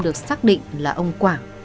được xác định là ông quảng